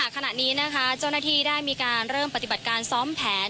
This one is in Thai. ขณะนี้นะคะเจ้าหน้าที่ได้มีการเริ่มปฏิบัติการซ้อมแผน